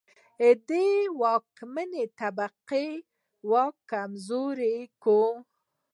دا د واکمنې طبقې واک کمزوری کوي.